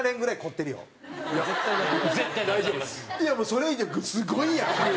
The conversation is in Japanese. いやもうそれ以上にすごいんやから。